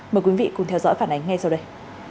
mời quý vị cùng theo dõi phản ánh ngay sau đây